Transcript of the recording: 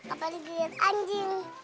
apa di gilir anjing